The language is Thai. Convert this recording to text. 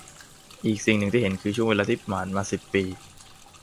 อีกสิ่งหนึ่งที่เห็นคือช่วงเวลาที่ผ่านมา สิบ ปี